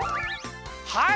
はい！